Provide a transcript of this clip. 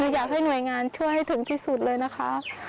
อยากให้หน่วยงานช่วยให้ถึงที่สุดเลยนะคะ